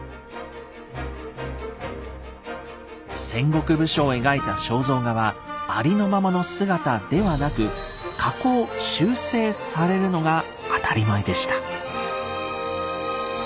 戦国武将を描いた肖像画はありのままの姿ではなく加工修正されるのが当たり前でした。